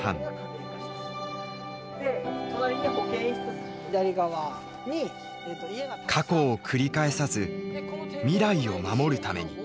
過去を繰り返さず未来を守るために。